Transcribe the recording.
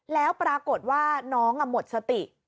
แล้วปรากฏว่าน้องหมดสติ